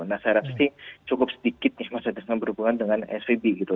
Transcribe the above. nah saya rasa sih cukup sedikit nih mas ada yang berhubungan dengan svb gitu